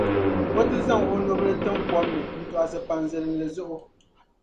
o ti zaŋ o nubil’ tim kom ni n-tɔɣisi pa n zilinli zuɣu.